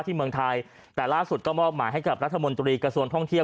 เมืองไทยแต่ล่าสุดก็มอบหมายให้กับรัฐมนตรีกระทรวงท่องเที่ยว